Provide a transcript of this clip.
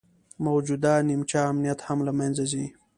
موجوده نیمچه امنیت هم له منځه ځي